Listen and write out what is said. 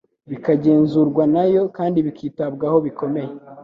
bikagenzurwa na yo, kandi bikitabwaho bikomeye,